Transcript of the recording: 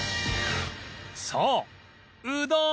そううどん！